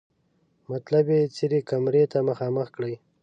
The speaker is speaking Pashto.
مطلب یې څېره کمرې ته مخامخ کړي.